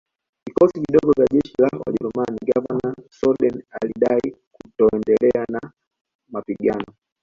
vikosi vidogo vya jeshi la wajerumani Gavana Soden alidai kutoendelea na mapigano